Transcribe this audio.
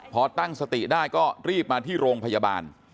พอตั้งสติได้ก็รีบมาที่โรงพยาบาล